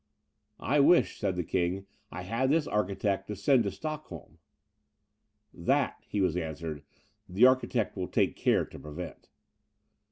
"I wish," said the King, "I had this architect to send to Stockholm." "That," he was answered, "the architect will take care to prevent."